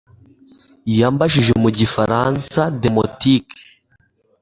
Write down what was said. Yambajije mu gifaransa demotic